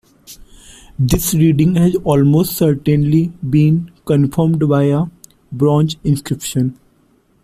This reading has almost certainly been confirmed by a bronze inscription.